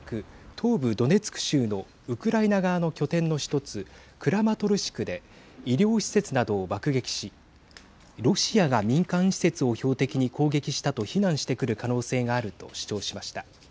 東部ドネツク州のウクライナ側の拠点の１つクラマトルシクで医療施設などを爆撃しロシアが民間施設を標的に攻撃したと非難してくる可能性があると主張しました。